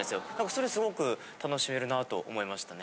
それすごく楽しめるなぁと思いましたね。